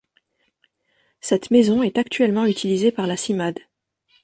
Cette maison est actuellement utilisée par la Cimade.